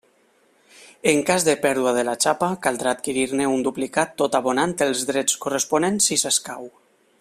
En cas de pèrdua de la xapa, caldrà adquirir-ne un duplicat tot abonant els drets corresponents si s'escau.